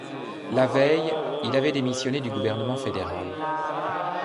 La veille, il avait démissionné du gouvernement fédéral.